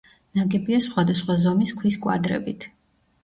ნაგებია სხვადასხვა ზომის ქვის კვადრებით.